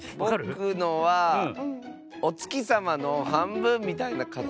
ぼくのはおつきさまのはんぶんみたいなかたちですね。